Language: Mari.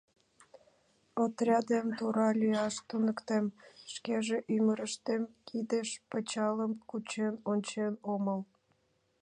— Отрядемым тура лӱяш туныктем», — шкеже ӱмырыштем кидыш пычалым кучен ончен омыл.